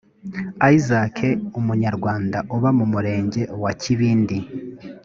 isaac umunyarwanda uba mu murenge wa kibindi